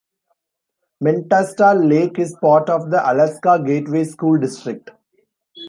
Mentasta Lake is part of the Alaska Gateway School District.